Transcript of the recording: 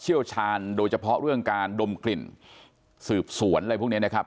เชี่ยวชาญโดยเฉพาะเรื่องการดมกลิ่นสืบสวนอะไรพวกนี้นะครับ